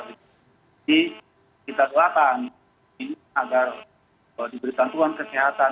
jadi kita telah tahan agar diberikan tuhan kesehatan